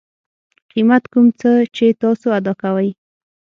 قیمت کوم څه چې تاسو ادا کوئ